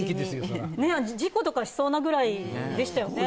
そりゃ事故とかしそうなぐらいでしたよね